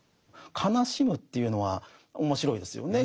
悲しむというのは面白いですよね。